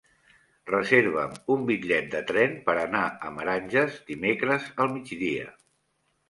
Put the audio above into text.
Reserva'm un bitllet de tren per anar a Meranges dimecres al migdia.